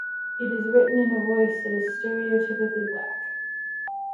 It is written in a voice that is stereotypically black.